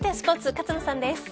勝野さんです。